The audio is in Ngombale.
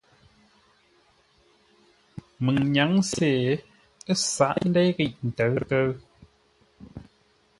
Məŋ nyǎŋ-sê ə́ sǎghʼ ndéi ghíʼ ntə̌ʉ-ntə́ rəngû.